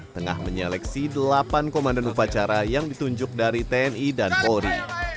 tengah menyeleksi delapan komandan upacara yang ditunjuk dari tni dan polri